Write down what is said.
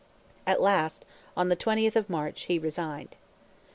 At last, on the 20th of March, he resigned.